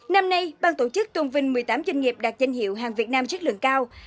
năm nay bang tổ chức tôn vinh một mươi tám doanh nghiệp đạt danh hiệu hàng việt nam chất lượng cao